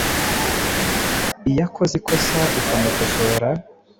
iyo akoze ikosa ukamukosora